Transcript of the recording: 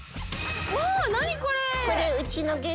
うわ何これ！